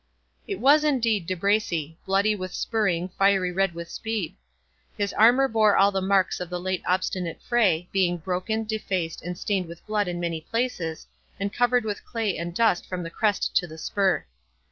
It was indeed De Bracy—"bloody with spurring, fiery red with speed." His armour bore all the marks of the late obstinate fray, being broken, defaced, and stained with blood in many places, and covered with clay and dust from the crest to the spur.